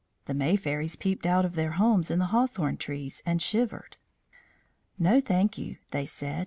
The May Fairies peeped out of their homes in the hawthorn trees and shivered. "No, thank you," they said.